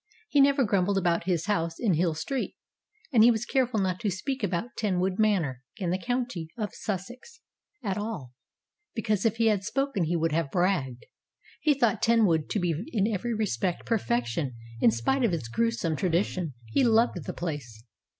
He never grumbled about his house in Hill Street, and he was careful not to speak about Ten wood Manor in the county of Sussex at all, because if he had spoken he would have bragged. He thought Tenwood to be in every respect perfection in spite of its gruesome tradition; he loved the place.